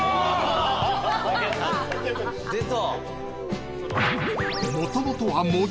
出た。